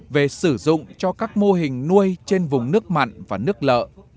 về sử dụng cho các mô hình nuôi trên vùng nước mặn và nước lợ